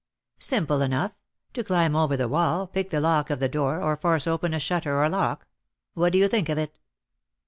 "Simple enough: to climb over the wall, pick the lock of the door, or force open a shutter or lock. What do you think of it?"